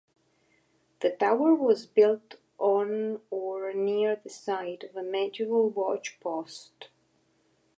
The tower was built on or near the site of a medieval watch post.